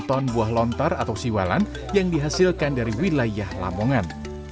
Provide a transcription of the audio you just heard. satu ton buah lontar atau siwalan yang dihasilkan dari wilayah lamongan